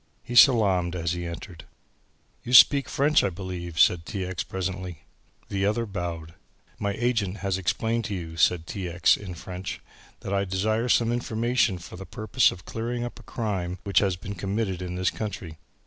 He salaamed as he entered. "You speak French, I believe," said T. X. presently. The other bowed. "My agent has explained to you," said T. X. in French, "that I desire some information for the purpose of clearing up a crime which has been committed in this country.